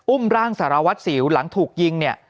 อุ้มร่างสารวัตรศิลป์หลังถูกยิง